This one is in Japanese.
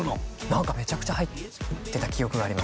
何かめちゃくちゃ入ってた記憶があります